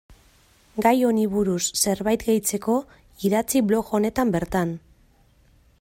Gai honi buruz zerbait gehitzeko idatzi blog honetan bertan.